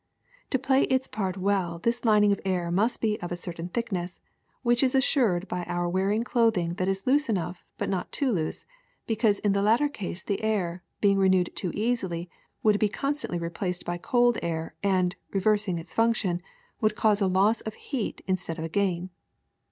To play its part well this lining of air must be of a certain thickness, which is assured by our wearing clothing that is loose enough but not too loose, be cause in the latter case the air, being renewed too easily, would be constantly replaced by cold air and, reversing its function, would cause a loss of heat in stead of a gain.